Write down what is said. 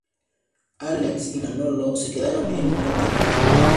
Álex y Manolo se quedaron en Inglaterra.